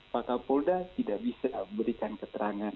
pak kapolda tidak bisa memberikan keterangan